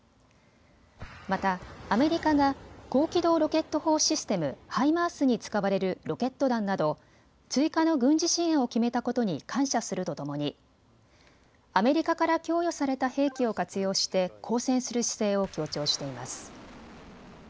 また、アメリカが高機動ロケット砲システム・ハイマースに使われるロケット弾など追加の軍事支援を決めたことに感謝するとともにアメリカから供与された兵器を活用して抗戦する姿勢を強調しています。